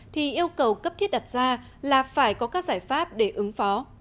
thì yêu cầu cấp thiết đặt ra là phải có các giải pháp để ứng phó